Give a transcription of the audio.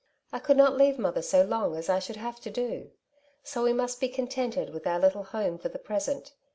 I could not leave mother so long, as I should have to do. So we must be con tented with our little home for the present.